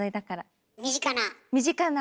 身近な？